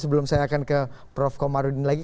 sebelum saya akan ke prof komarudin lagi